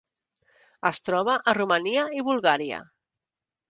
Es troba a Romania i Bulgària.